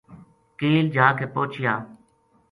کیل جا کے پوہچیا